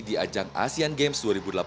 di ajang asean games dua ribu delapan belas